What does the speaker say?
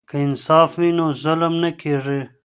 که انصاف وي نو ظلم نه کیږي.